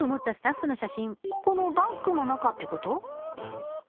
このバッグの中ってこと？